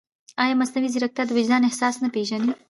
ایا مصنوعي ځیرکتیا د وجدان احساس نه پېژني؟